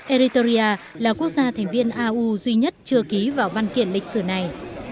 eritoria là quốc gia thành viên au duy nhất chưa ký vào văn kiện lịch sử này